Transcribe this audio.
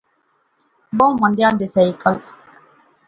بہوں مندیاں دیسے اج کل